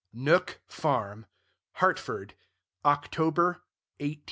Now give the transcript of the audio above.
NOOK FARM, HARTFORD, October, 1870 C.